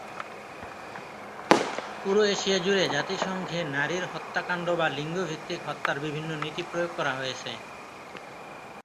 পুরো এশিয়া জুড়ে জাতিসংঘে নারীর হত্যাকাণ্ড বা লিঙ্গ ভিত্তিক হত্যার বিভিন্ন নীতি প্রয়োগ করা হয়েছে।